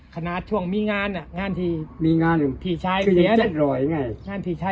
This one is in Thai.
ขณะช่วงมีงานอ่ะงานที่มีงานที่เลยไงงานที่ชาน